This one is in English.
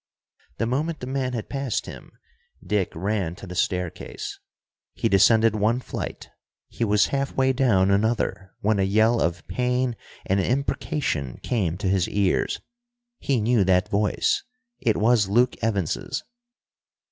The moment the man had passed him, Dick ran to the staircase. He descended one flight; he was half way down another when a yell of pain and imprecation came to his ears. He knew that voice: it was Luke Evans's!